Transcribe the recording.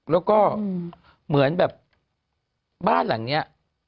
แล้วก็เหมือนแบบบ้านหลังนี้